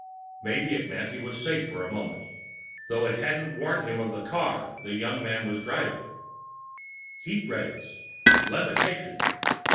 Maybe it meant he was safe for the moment though it hadn't warned him of the car the young man was driving. Heat rays! Levitation!